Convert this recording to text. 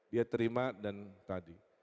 dia terima dan tadi